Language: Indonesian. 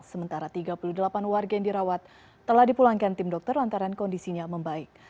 sementara tiga puluh delapan warga yang dirawat telah dipulangkan tim dokter lantaran kondisinya membaik